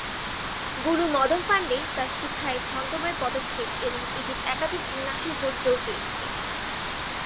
গুরু মদন পান্ডে তাঁর শিক্ষায় ছন্দময় পদক্ষেপ এবং এটির একাধিক বিন্যাসের উপর জোর দিয়েছিলেন।